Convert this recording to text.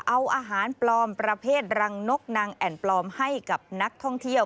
เอาอาหารปลอมประเภทรังนกนางแอ่นปลอมให้กับนักท่องเที่ยว